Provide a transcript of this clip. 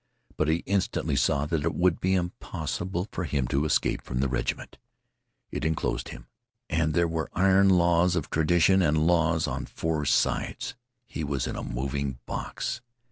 But he instantly saw that it would be impossible for him to escape from the regiment. It inclosed him. And there were iron laws of tradition and law on four sides. He was in a moving box.